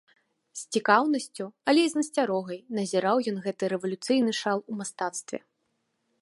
З цікаўнасцю, але і з насцярогай назіраў ён гэты рэвалюцыйны шал у мастацтве.